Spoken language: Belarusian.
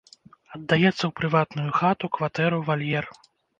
Аддаецца ў прыватную хату, кватэру, вальер.